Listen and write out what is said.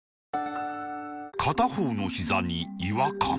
片方のひざに違和感